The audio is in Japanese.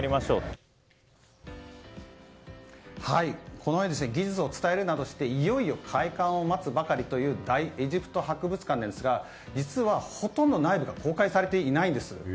このように技術を伝えるなどして、いよいよ開館を待つばかりという大エジプト博物館なんですが実は、ほとんど内部が公開されていないんです。